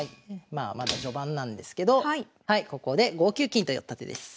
まあまだ序盤なんですけどここで５九金と寄った手です。